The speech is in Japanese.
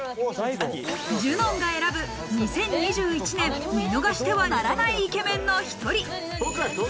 『ＪＵＮＯＮ』が選ぶ２０２１年、見逃してはならないイケメンの一人。